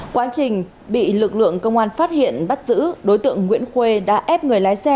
quá trình bị lực lượng công an phát hiện bắt giữ đối tượng nguyễn khuê đã ép người lái xe